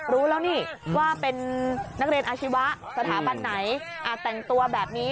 รู้แล้วนี่ว่าเป็นนักเรียนอาชีวะสถาบันไหนแต่งตัวแบบนี้